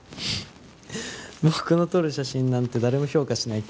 僕の撮る写真なんて誰も評価しない